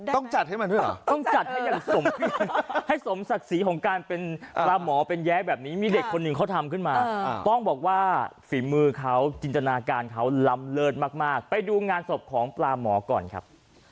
ต้องจัดให้มันด้วยเหรอต้องจัดให้อย่างให้สมศักดิ์ศรีของการเป็นปลาหมอเป็นแย้แบบนี้มีเด็กคนหนึ่งเขาทำขึ้นมาต้องบอกว่าฝีมือเขาจินตนาการเขาล้ำเลิศมากไปดูงานศพของปลาหมอก่อนครับ